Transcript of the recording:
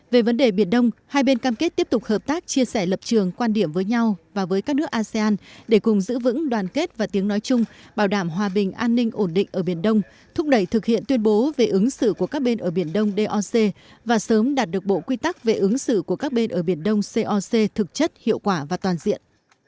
về vấn đề biển đông hai bên cam kết tiếp tục hợp tác chia sẻ lập trường quan điểm với nhau và với các nước asean để cùng giữ vững đoàn kết và tiếng nói chung bảo đảm hòa bình an ninh ổn định ở biển đông thúc đẩy thực hiện tuyên bố về ứng xử của các bên ở biển đông doc và sớm đạt được bộ quy tắc về ứng xử của các bên ở biển đông coc thực chất hiệu quả và toàn diện